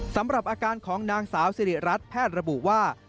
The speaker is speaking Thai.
สำหรับอาการของนางสาวสิริรัตนแพทย์ระบุว่า